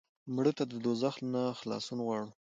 مړه ته د دوزخ نه خلاصون غواړو